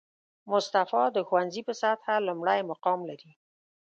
مصطفی د ښوونځي په سطحه لومړی مقام لري